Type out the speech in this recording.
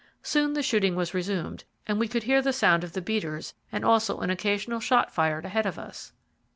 Soon the shooting was resumed, and we could hear the sound of the beaters, and also an occasional shot fired ahead of us.